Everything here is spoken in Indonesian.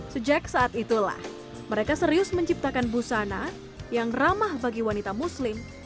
sejak saat itulah mereka serius menciptakan busana yang ramah bagi wanita muslim